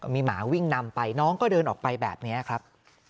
มีหมาวิ่งนำไปน้องก็เดินออกไปแบบนี้ครับ